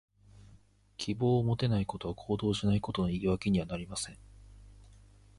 希望を持てないことは、行動しないことの言い訳にはなりません。